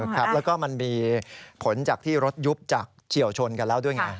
แล้วก็มันมีผลจากที่รถยุบจากเฉียวชนกันแล้วด้วยไง